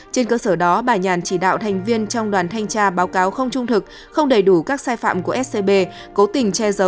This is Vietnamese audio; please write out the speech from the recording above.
trên cơ sở đó bà nhàn chỉ đạo thành viên trong đoàn thanh tra báo cáo không trung thực không đầy đủ các sai phạm của scb cố tình che giấu